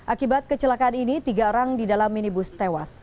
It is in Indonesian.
akibat kecelakaan ini tiga orang di dalam minibus tewas